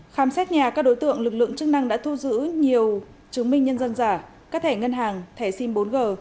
khám xét nhà các đối tượng lực lượng chức năng đã thu giữ nhiều chứng minh nhân dân giả các thẻ ngân hàng thẻ sim bốn g